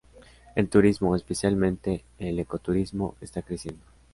El turismo, especialmente el ecoturismo, está creciendo.